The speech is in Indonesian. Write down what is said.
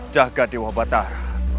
jaga dewa batar